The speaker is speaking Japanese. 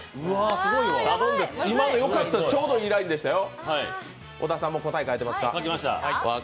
今のよかったちょうどいいラインでしたよ。！